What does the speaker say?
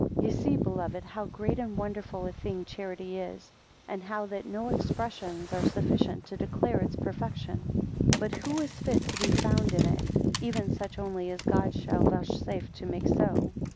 8 Ye see, beloved, how great and wonderful a thing charity is; and how that no expressions are sufficient to declare its perfection. 9 But who is fit to be found in it? Even such only as God shall vouchsafe to make so.